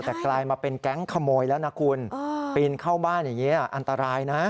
แต่กลายมาเป็นแก๊งขโมยแล้วนะคุณปีนเข้าบ้านอย่างนี้อันตรายนะ